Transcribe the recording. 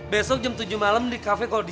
besok jam tujuh malem di kamar lo lagi